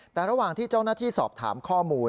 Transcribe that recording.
แต่ระหว่างที่เจ้าหน้าที่สอบถามข้อมูล